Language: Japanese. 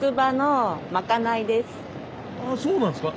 そうなんですか。